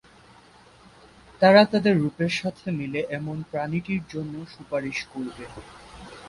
তারা তাদের রূপের সাথে মিলে এমন প্রাণীটির জন্য সুপারিশ করবে।